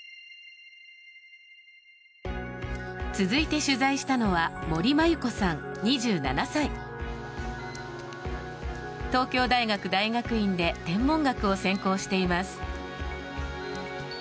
続いて取材したのは森万由子さん、２７歳東京大学大学院で天文学を専攻しています。